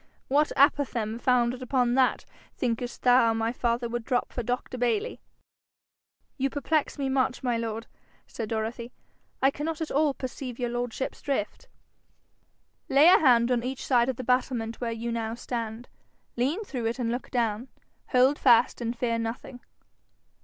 What apophthegm founded upon that, thinkest thou, my father would drop for Dr Bayly?' 'You perplex me much, my lord,' said Dorothy. 'I cannot at all perceive your lordship's drift.' 'Lay a hand on each side of the battlement where you now stand; lean through it and look down. Hold fast and fear nothing.'